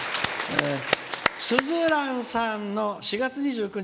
すずらんさんの４月２９日